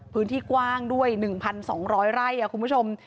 พื้นที่กว้างด้วย๑๒๐๐ไร่คุณผู้ชม